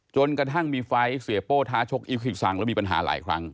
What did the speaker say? จนกระทั่งมีไฟล์เสียโป้ท้าชกอิฟคิกซังแล้วมีปัญหาหลายครั้ง